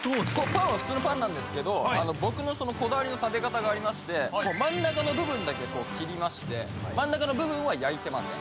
パンは普通のパンなんですけど僕のこだわりの食べ方がありまして真ん中の部分だけ切りまして真ん中の部分は焼いてません